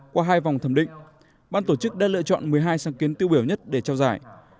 qua hai vòng thẩm định ban tổ chức đã lựa chọn một mươi hai sáng kiến tiêu biểu nhất để trao giải